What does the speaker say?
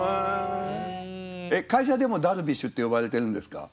会社でもダルビッシュって呼ばれてるんですか？